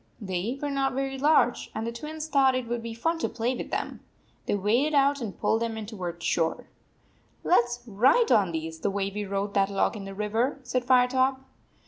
They were not very large, and the Twins thought it would be fun to play with them. They waded out and pulled them in toward shore. " Let s ride on these the way we rode that log in the river," said Firetop.